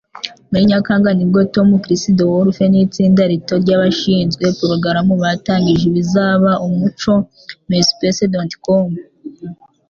Muri Nyakanga ni bwo Tom, Chris DeWolfe n'itsinda rito ry'abashinzwe porogaramu batangije ibizaba umuco, Myspace.com.